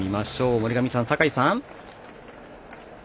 森上さん、酒井さん。